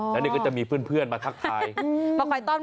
แล้วนี่ก็จะมีเพื่อนมาทักทายมาคอยต้อนรับ